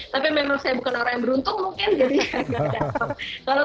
tapi memang saya bukan orang yang beruntung mungkin jadi